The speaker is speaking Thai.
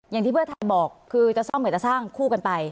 อย่างที่เพื่อไทยบอกคือจะซ่อมหรือจะสร้างคู่กันไป